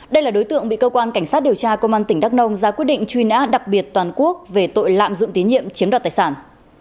đây là đối tượng bị cơ quan cảnh sát điều tra công an tỉnh đắk nông ra quyết định truy nã đặc biệt toàn quốc về tội lạm dụng tín nhiệm chiếm đoạt tài sản